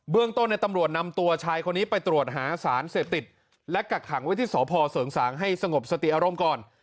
เรื่องต้นในตำรวจนำตัวชายคนนี้ไปตรวจหาสารเสพติดและกักขังไว้ที่สพเสริงสางให้สงบสติอารมณ์ก่อน